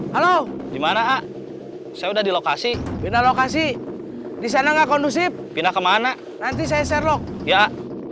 halo gimana saya udah di lokasi lokasi di sana kondusif pindah kemana nanti saya serlo ya